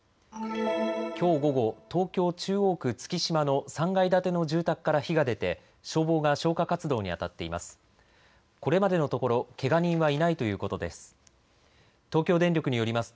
きょう午後、東京中央区月島の３階建ての住宅から火が出て消防が消火活動にあたっています。